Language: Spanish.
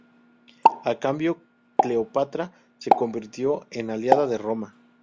A cambio, Cleopatra se convirtió en aliada de Roma.